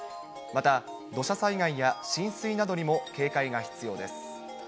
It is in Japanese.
また土砂災害や浸水などにも警戒が必要です。